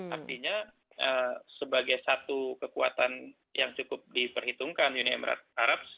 artinya sebagai satu kekuatan yang cukup diperhitungkan uni emirat arab